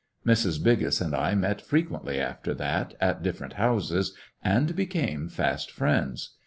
Mrs. Biggus and I met frequently after that at different houses, and became fast friends.